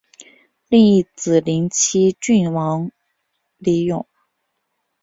另一子灵溪郡王李咏。